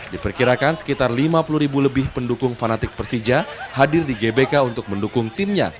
diperkirakan sekitar lima puluh ribu lebih pendukung fanatik persija hadir di gbk untuk mendukung timnya